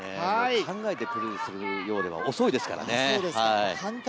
考えてプレーするようでは遅いですからね。